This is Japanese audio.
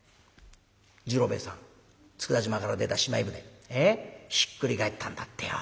次郎兵衛さん佃島から出たしまい舟ひっくり返ったんだってよ。